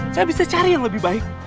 saya bisa cari yang lebih baik